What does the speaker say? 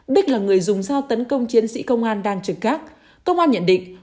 bích là người dùng sao tấn công chiến sĩ công an đang trừng cát